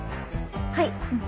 はい。